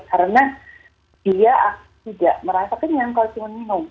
karena dia tidak merasa kenyang kalau cuman minum